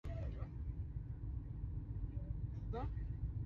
Dhana za kusimamia hifadhi ya mazingira